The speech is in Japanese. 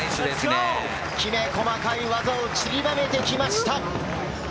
きめ細かい技をちりばめてきました。